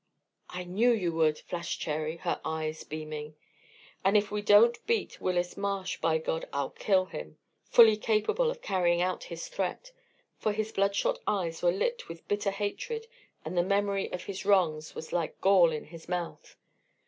"I knew you would," flashed Cherry, her eyes beaming. "And if we don't beat Willis Marsh, by God, I'll kill him!" Balt shouted, fully capable of carrying out his threat, for his bloodshot eyes were lit with bitter hatred and the memory of his wrongs was like gall in his mouth.